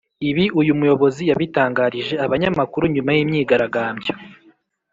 ibi uyu muyobozi yabitangarije abanyamakuru nyuma y’imyigaragambyo